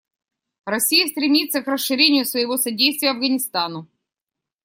Россия стремится к расширению своего содействия Афганистану.